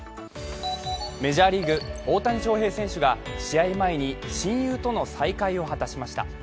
メジャーリーグ、大谷翔平選手が試合前に親友との再会を果たしました。